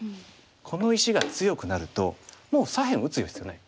この石が強くなるともう左辺打つ必要ない。